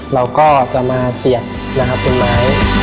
เราก็จะมาเสียบเป็นไม้